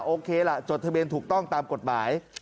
โอเคล่ะจดทะเบียนถูกต้องตามกฎหมาย